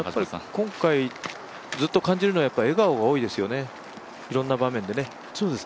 今回、ずっと感じるのは笑顔が多いですよね、いろんな場面でね。